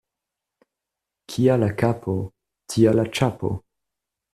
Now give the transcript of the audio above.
Kia la kapo, tia la ĉapo.